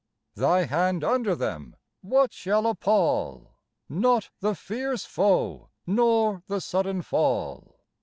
Thy hand under them, what shall appal ? Not the fierce foe nor the sudden fall.